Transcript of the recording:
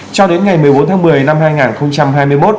cho đến ngày một mươi bốn tháng một mươi năm hai nghìn hai mươi một